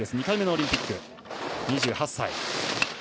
２回目のオリンピック、２８歳。